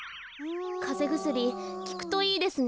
かぜぐすりきくといいですね。